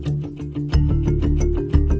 หรือมีใครตามเข้าใจ